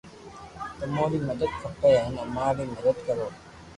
تموري ري مدد کپي ھين اماري مدد ڪرو